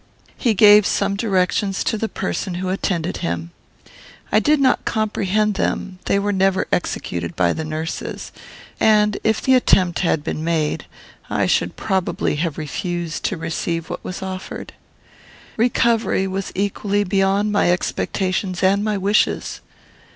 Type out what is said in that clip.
He gave some directions to the person who attended him. I did not comprehend them, they were never executed by the nurses, and, if the attempt had been made, I should probably have refused to receive what was offered. Recovery was equally beyond my expectations and my wishes.